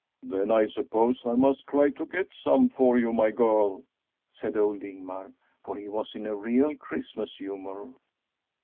' Then I suppose I must try to get some for you, my girl,' said old Ingmar, for he was in a real Christmas humour.